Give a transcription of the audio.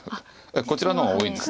こちらの方が多いです。